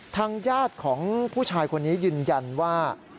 ทางญาติของผู้ชายคนนี้ยืนยันว่า